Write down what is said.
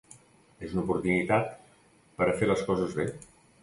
És una oportunitat per a fer les coses bé.